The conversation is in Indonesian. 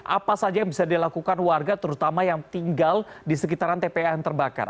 apa saja yang bisa dilakukan warga terutama yang tinggal di sekitaran tpa yang terbakar